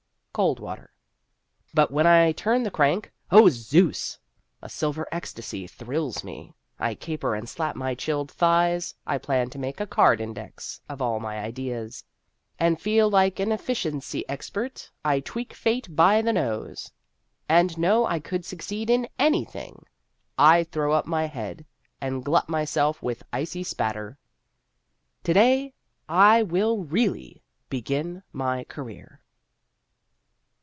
COLD WATER But when I turn the crank O Zeus! A silver ecstasy thrills me! I caper and slap my chilled thighs, I plan to make a card index of all my ideas And feel like an efficiency expert. I tweak Fate by the nose And know I could succeed in anything. I throw up my head And glut myself with icy splatter... To day I will really Begin my career!